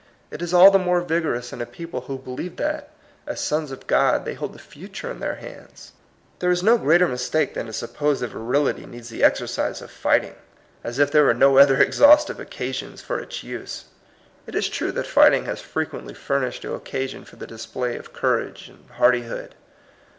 It is all the more vigorous in a people who believe that, as sons of God, they hold the future in their hands. There is no greater mistake than to suppose that viiility needs the exercise THE IRON m THE BLOOD, 41 of fighting, as if there were no other ex haustive occasions for its use! It is true that fighting has frequently furnished the occasion for the display of courage and har dihood.